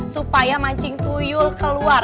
supaya mancing tuyul keluar